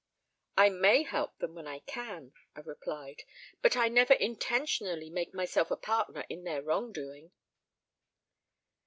"I may help them when I can," I replied, "but I never intentionally make myself a partner in their wrong doing."